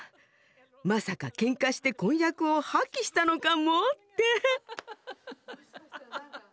まさかけんかして婚約を破棄したのかもって！